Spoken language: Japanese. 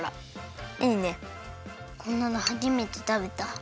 こんなのはじめてたべた。